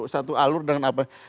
satu alur dengan apa